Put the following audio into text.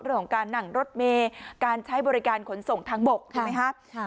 เรื่องของการนั่งรถเมย์การใช้บริการขนส่งทางบกถูกไหมครับ